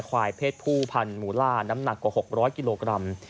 ควายเพศผู้พันหมูล่าน้ำหนักกว่า๖๐๐กิโลกรัม